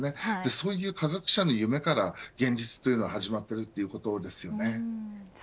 そういう科学者の夢から現実は始まっているということです。